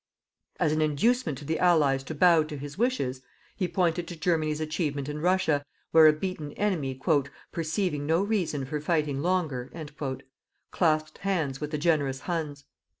As an inducement to the Allies to bow to his wishes, he pointed to Germany's achievement in Russia, where a beaten enemy, "perceiving no reason for fighting longer," clasped hands with the generous Huns.